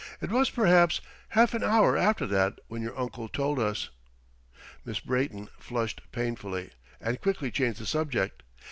"It was, perhaps, half an hour after that when your uncle told us." Miss Brayton flushed painfully, and quickly changed the subject.